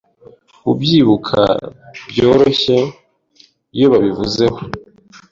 Bubyibuka byoroshe iyo babivuzeho